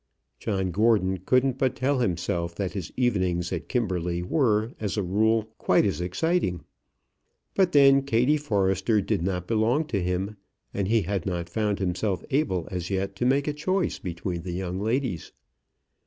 John Gordon couldn't but tell himself that his evenings at Kimberley were, as a rule, quite as exciting. But then Kattie Forrester did not belong to him, and he had not found himself able as yet to make a choice between the young ladies.